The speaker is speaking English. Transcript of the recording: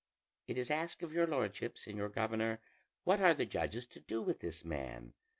It is asked of your lordship, señor governor, what are the judges to do with this man?